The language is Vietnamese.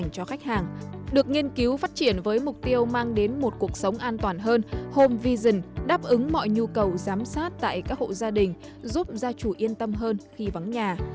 các hộ gia đình giúp gia chủ yên tâm hơn khi vắng nhà